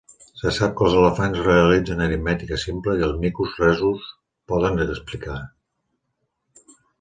Se sap que els elefants realitzen aritmètica simple i els micos Rhesus poden explicar.